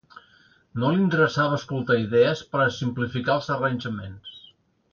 No li interessava escoltar idees per a simplificar els arranjaments.